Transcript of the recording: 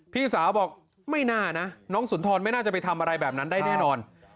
พี่สาวบอกไม่น่านะน้องสุนทรไม่น่าจะไปทำอะไรแบบนั้นได้แน่นอน